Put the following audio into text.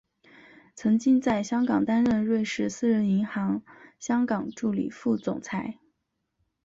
曾经在香港担任瑞士私人银行香港助理副总裁。